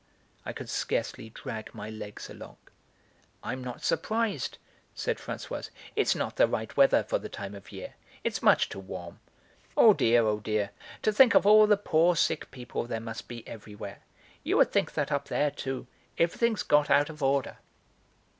I could scarcely drag my legs along. "I'm not surprised;" said Françoise, "it's not the right weather for the time of year; it's much too warm. Oh dear, oh dear, to think of all the poor sick people there must be everywhere; you would think that up there, too, everything's got out of order."